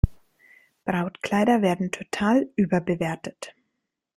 Brautkleider werden total überbewertet.